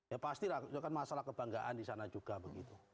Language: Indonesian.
ya pastilah itu kan masalah kebanggaan di sana juga begitu